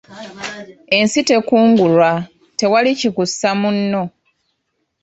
Ensi tekungulwa, tewali kikussa munno.